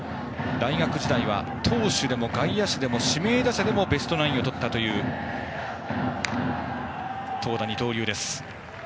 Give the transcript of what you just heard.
大学時代は投手でも外野手でも指名打者でもベストナインをとったという投打二刀流です。